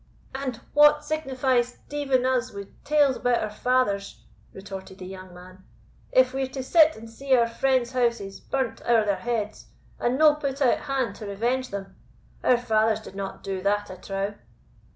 "And what signifies deaving us wi' tales about our fathers," retorted the young; man, "if we're to sit and see our friends' houses burnt ower their heads, and no put out hand to revenge them? Our fathers did not do that, I trow?"